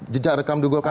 jejak rekam juga